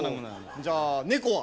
じゃあ猫は？